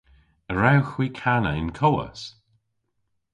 A wrewgh hwi kana y'n kowas?